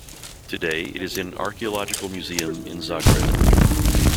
Today it is in Archaeological Museum in Zagreb.